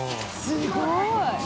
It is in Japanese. すごい！